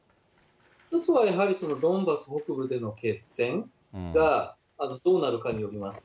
一つはやはり、ドンバス北部での決戦がどうなるかによります。